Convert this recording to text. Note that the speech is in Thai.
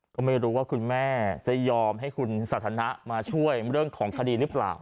ก็ไม่รู้ว่าคุณแม่จะยอมให้คุณสันทนะมาช่วยเรื่องของคดีหรือเปล่า